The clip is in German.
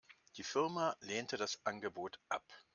Die Firma lehnte das Angebot ab.